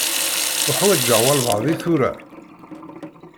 Uḥwaǧeɣ walebɛaḍ i tura.